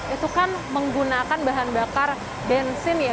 itu kan menggunakan bahan bakar bensin ya